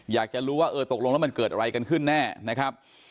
อยากจะรู้ว่าเออตกลงแล้วมันเกิดอะไรกันขึ้นแน่นะครับ